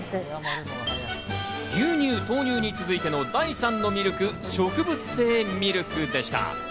牛乳、豆乳に続いての第３のミルク、植物性ミルクでした。